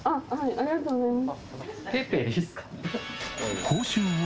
ありがとうございます！